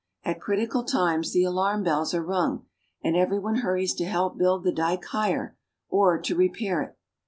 At critical times the alarm bells are rung, and every one hurries to help build the dike higher, or to repair it.